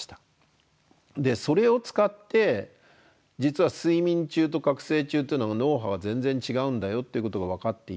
それを使って実は睡眠中と覚醒中というのは脳波は全然違うんだよっていうことが分かっていって。